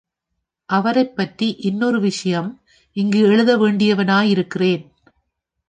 அவரைப்பற்றி இன்னொரு விஷயம் இங்கு எழுத வேண்டியவனாயிருக்கிறேன்.